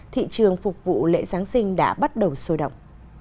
thị trường phục vụ lễ giáng sinh đã bắt đầu sôi động